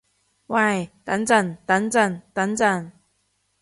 喂等陣等陣等陣